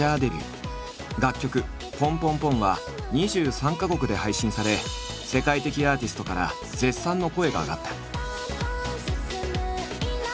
楽曲「ＰＯＮＰＯＮＰＯＮ」は２３か国で配信され世界的アーティストから絶賛の声が上がった。